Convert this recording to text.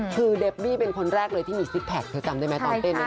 คือเดบบี้เป็นคนแรกเลยที่มีซิกแพคเธอจำได้ไหมตอนเต้น